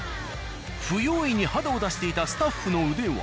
不用意に肌を出していたスタッフの腕は。